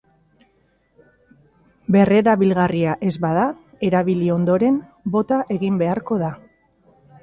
Berrerabilgarria ez bada, erabili ondoren bota egin beharko da.